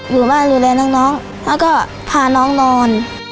อยู่บ้านดูแลน้องแล้วก็พาน้องนอน